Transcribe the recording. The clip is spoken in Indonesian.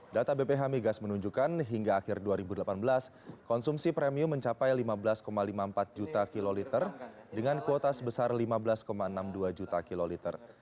data bph migas menunjukkan hingga akhir dua ribu delapan belas konsumsi premium mencapai lima belas lima puluh empat juta kiloliter dengan kuota sebesar lima belas enam puluh dua juta kiloliter